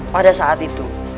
pada saat itu